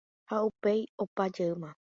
ha upéi opa jeýma